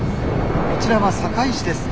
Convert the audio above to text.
こちらは堺市です。